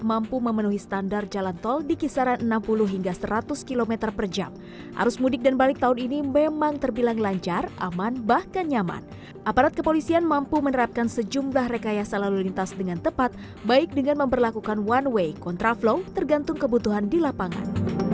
masyarakat mengapresiasi rekayasa lalu lintas dengan tepat baik dengan memperlakukan one way kontraflong tergantung kebutuhan di lapangan